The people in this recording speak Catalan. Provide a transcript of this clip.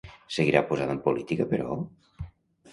Seguirà posada en política, però?